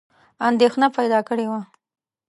اندېښنه پیدا کړې وه.